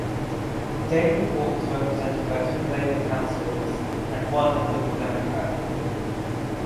Davenport is represented by two Labour councillors and one Liberal Democrat.